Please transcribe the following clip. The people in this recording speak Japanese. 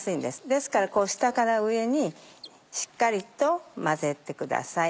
ですから下から上にしっかりと混ぜてください。